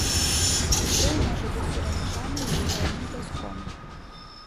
Пыл можа быць перамяшаны з ледзяным пяском.